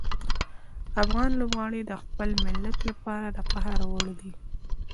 افغان لوبغاړي د خپل ملت لپاره د فخر وړ دي.